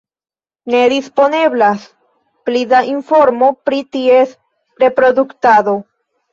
Ne disponeblas pli da informo pri ties reproduktado.